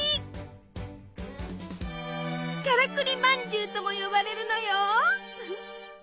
「からくりまんじゅう」とも呼ばれるのよ。